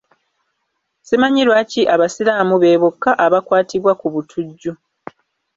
Simanyi lwaki Abasiraamu be bokka abakwatibwa ku butujju.